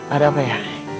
ada apa ya